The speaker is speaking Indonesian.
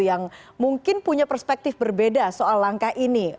yang mungkin punya perspektif berbeda soal langkah ini